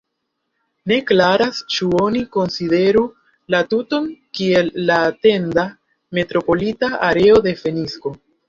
Ne klaras ĉu oni konsideru la tuton kiel la etenda metropolita areo de Fenikso.